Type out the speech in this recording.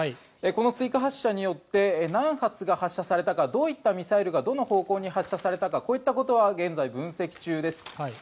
この追加発射によって何発が発射されたかどういったミサイルがどの方向に発射されたかこういったことは現在分析中です。